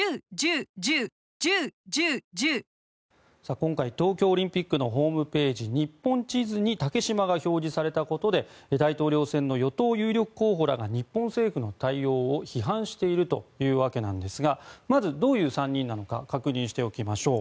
今回東京オリンピックのホームページ日本地図に竹島が表示されたことで大統領選の与党有力候補らが日本政府の対応を批判しているというわけなんですがどういう３人なのか確認しておきましょう。